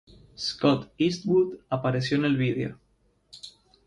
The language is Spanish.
Scott Eastwood apareció en el vídeo.